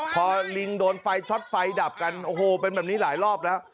พอลิงโดนไฟช็อตไฟดับกันโอ้โหเป็นแบบนี้หลายรอบแล้ว